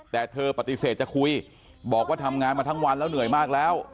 แต่เธอปฏิเสธจะคุยบอกว่าทำงานมาทั้งวันแล้วเหนื่อยมากแล้ว